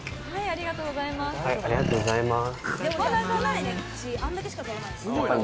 ありがとうございます。